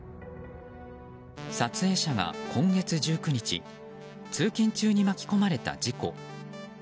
撮影者が今月１９日通勤中に巻き込まれた事故。